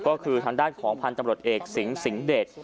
ก็คือทางด้านของพันธุ์ตำรวจเอกสิงสิงห์เดช